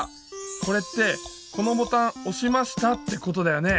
これってこのボタンおしましたってことだよね。